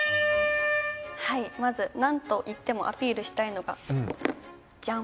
はいまずなんといってもアピールしたいのがジャン。